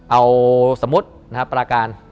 เอาสมมุตินะครับปราการ